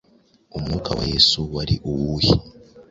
Umwuka wa Yesu wari uwuhe?